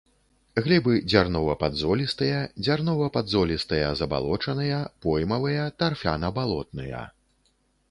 Глебы дзярнова-падзолістыя, дзярнова-падзолістыя забалочаныя, поймавыя, тарфяна-балотныя.